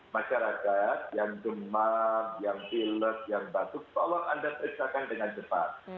masyarakat yang demam yang pilek yang batuk tolong anda periksakan dengan cepat